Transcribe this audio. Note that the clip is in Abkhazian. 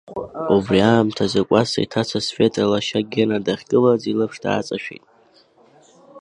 Убри аамҭазы, Кәасҭа иҭаца Света лашьа Гена дахьгылаз илаԥш дааҵашәеит.